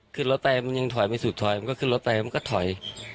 คือรถไปมันยังถอยไม่สุดถอยมันก็ขึ้นรถไปมันก็ถอย